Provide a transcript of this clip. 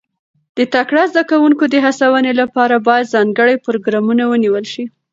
د تکړه زده کوونکو د هڅونې لپاره باید ځانګړي پروګرامونه ونیول شي.